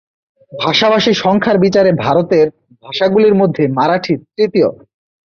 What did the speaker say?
ভাষাভাষী সংখ্যার বিচারে ভারতের ভাষাগুলির মধ্যে মারাঠি তৃতীয়।